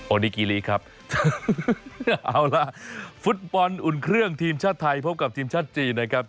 นิกิลีครับเอาล่ะฟุตบอลอุ่นเครื่องทีมชาติไทยพบกับทีมชาติจีนนะครับ